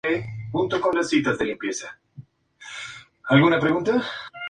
El convento y la iglesia fueron construidos originalmente en dimensiones modestas.